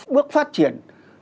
bước phát triển